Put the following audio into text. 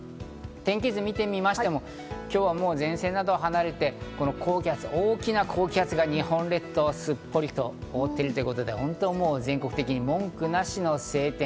天気図を見てみましても、今日は前線などは離れて大きな高気圧が日本列島をすっぽりと覆っているということで全国的に文句なしの晴天。